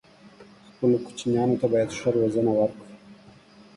خپلو کوچنيانو ته بايد ښه روزنه ورکړو